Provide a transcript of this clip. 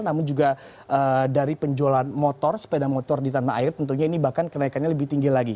namun juga dari penjualan motor sepeda motor di tanah air tentunya ini bahkan kenaikannya lebih tinggi lagi